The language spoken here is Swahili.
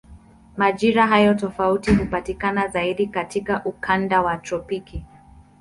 Majira hayo tofauti hupatikana zaidi katika ukanda wa tropiki.